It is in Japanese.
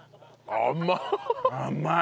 甘い！